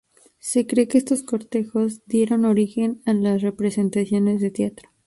Se cree que estos cortejos dieron origen a las representaciones de teatro.